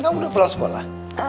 kamu udah pulang sekolah